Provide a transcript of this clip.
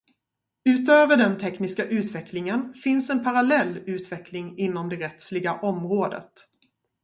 Utöver den tekniska utvecklingen finns en parallell utveckling inom det rättsliga området.